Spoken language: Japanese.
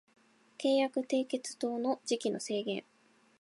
契約締結等の時期の制限